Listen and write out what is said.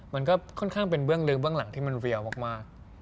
มันก็ค่อนข้างเป็นเรื่องหลังที่มันเรียลมาก